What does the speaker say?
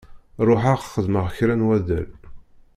Ruḥeɣ xedmeɣ kra n waddal.